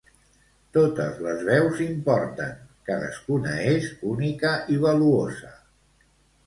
Totes les veus importen, cadascuna és única i valuosa.